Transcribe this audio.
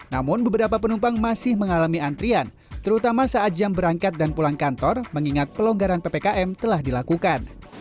namun beberapa penumpang masih mengalami antrian terutama saat jam berangkat dan pulang kantor mengingat pelonggaran ppkm telah dilakukan